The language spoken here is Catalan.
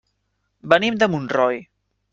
Venim de Montroi.